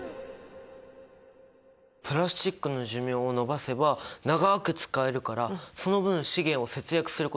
プラスチックの寿命を延ばせば長く使えるからその分資源を節約することもできますよね。